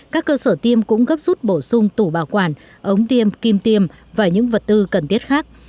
các cơ sở tiêm cũng gấp rút bổ sung tủ bảo quản ống tiêm kim tiêm và những vật tư cần thiết khác